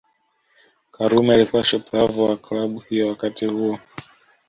Karume alikuwa shupavu wa Klabu hiyo wakati huo